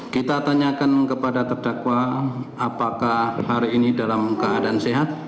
kita tanyakan kepada terdakwa apakah hari ini dalam keadaan sehat